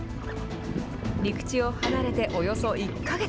陸地を離れておよそ１か月。